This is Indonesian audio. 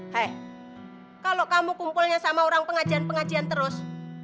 hai kalau kamu kumpulnya sama orang pengajian pengajian terus